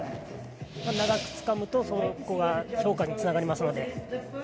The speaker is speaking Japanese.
長くつかむとそこが評価につながりますので。